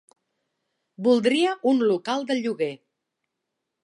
Voldria un local de lloguer.